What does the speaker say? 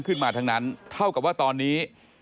ขึ้นมาทั้งนั้นเท่ากับว่าตอนนี้